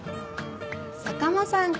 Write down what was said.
坂間さんか。